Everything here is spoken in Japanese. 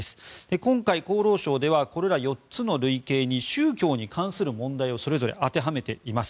今回、厚労省ではこれら４つの類型に宗教に関する問題をそれぞれ当てはめています。